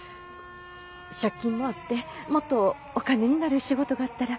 借金もあってもっとお金になる仕事があったら。